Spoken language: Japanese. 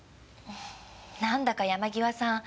なんだか山際さん